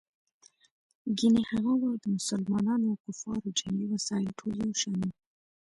ګیني هغه وخت د مسلمانانو او کفارو جنګي وسایل ټول یو شان وو.